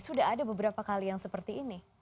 sudah ada beberapa kali yang seperti ini